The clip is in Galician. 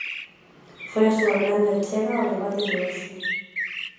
Foi a súa grande achega ao debate de hoxe.